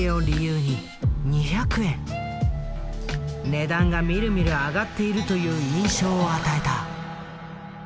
値段がみるみる上がっているという印象を与えた。